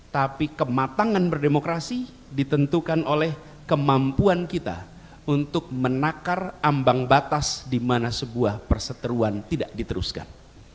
tapi kematangan berdemokrasi ditentukan oleh kemampuan kita untuk menakar ambang batas di mana sebuah perseteruan tidak diteruskan